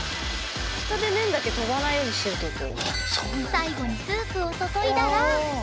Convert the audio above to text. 最後にスープを注いだらわあ。